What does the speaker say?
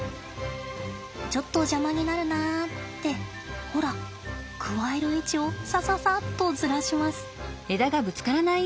「ちょっと邪魔になるな」ってほらくわえる位置をさささっとずらします。